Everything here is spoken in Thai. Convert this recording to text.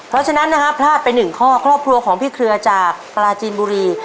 เพราะฉะนั้นนะฮะพลาดไปหนึ่งข้อครอบครัวของพี่เครือจากปลาจีนบุรี